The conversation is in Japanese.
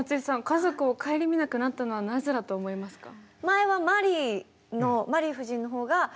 家族を顧みなくなったのはなぜだと思いますか？